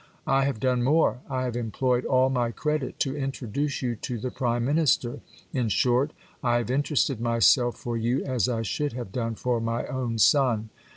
I have done more : I have employed all my credit to introduce you to the prime minister. In short, I have interested myself for you as I should have done for my own son.